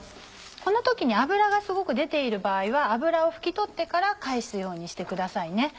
この時に油がすごく出ている場合は油を拭き取ってから返すようにしてくださいね。